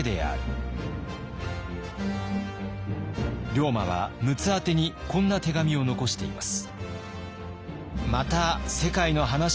龍馬は陸奥宛てにこんな手紙を残しています。